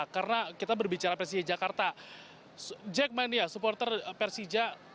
karena kita berbicara persija jakarta jack mania supporter persija